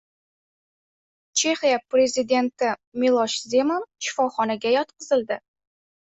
Chexiya prezidenti Milosh Zeman shifoxonaga yotqizildi